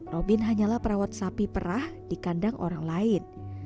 robin hanyalah perawat sapi perah di kandang orang lain